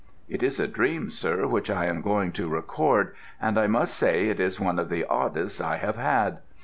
It is a dream, sir, which I am going to record, and I must say it is one of the oddest I have had.